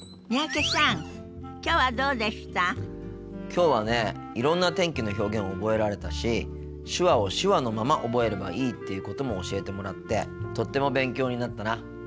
きょうはねいろんな天気の表現覚えられたし手話を手話のまま覚えればいいっていうことも教えてもらってとっても勉強になったな。